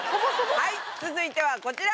はい続いてはこちら！